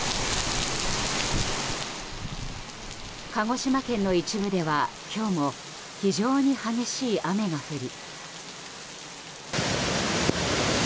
鹿児島県の一部では今日も非常に激しい雨が降り。